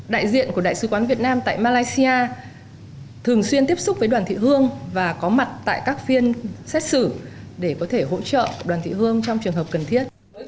đại diện của đại sứ quán việt nam tại malaysia thường xuyên tiếp xúc với đoàn thị hương và có mặt tại các phiên xét xử để có thể hỗ trợ đoàn thị hương trong trường hợp cần thiết